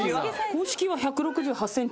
公式は１６８ｃｍ。